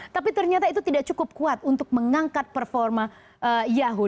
tapi ternyata itu tidak cukup kuat untuk mengangkat performa yahoo